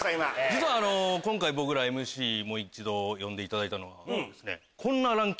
実は今回僕らＭＣもう一度呼んでいただいたのは。